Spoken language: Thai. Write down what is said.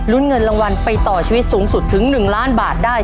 เงินรางวัลไปต่อชีวิตสูงสุดถึง๑ล้านบาทได้